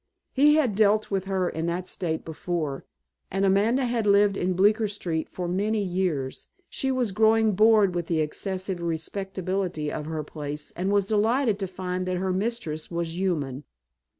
He had dealt with her in that state before, and Amanda had lived in Bleecker Street for many years. She was growing bored with the excessive respectability of her place, and was delighted to find that her mistress was human.